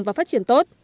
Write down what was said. và phát triển tốt